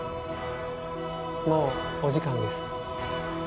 もうお時間です。